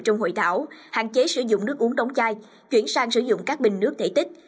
trong hội thảo hạn chế sử dụng nước uống đóng chai chuyển sang sử dụng các bình nước thể tích